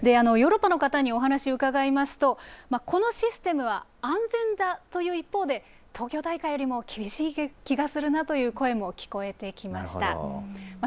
ヨーロッパの方にお話し伺いますと、このシステムは安全だという一方で、東京大会よりも厳しい気がするなという声も聞こえてきました。